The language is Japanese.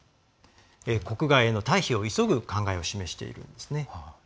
国外への退避を急ぐ考えを示しているんですね。